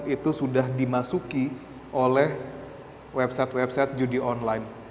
itu sudah dimasuki oleh website website judi online